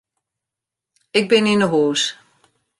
Ik bin yn 'e hûs.